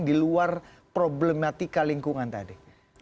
di luar problematika lingkungan tadi